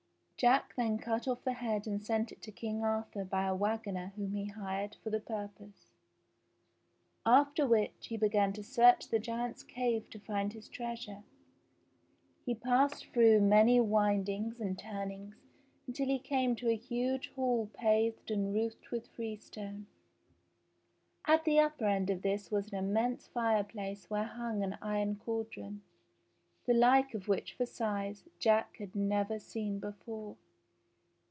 Jack then cut off the head and sent it to King Arthur by a waggoner whom he hired for the purpose. After which he began to search the giant's cave to find his treasure. He passed through many windings and turnings until he came to a huge hall paved and roofed with freestone. At the upper end of this was an immense fireplace where hung an iron cauldron, the like of which, for size. Jack had never seen before.